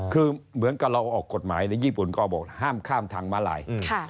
คือเหมือนกับเราออกกฎหมายในญี่ปุ่นก็บอกห้ามข้ามทางมาลาย